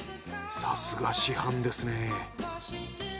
さすが師範ですね。